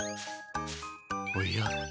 おや？